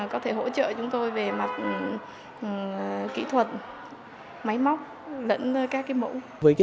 có thể hỗ trợ chúng tôi về mặt kỹ thuật máy móc lẫn các cái mũ